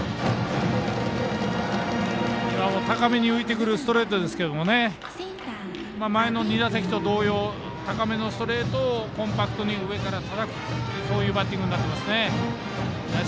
今も高めに浮いてくるストレートですけど前の２打席と同様高めのストレートをコンパクトに上からたたくというバッティングになってますね。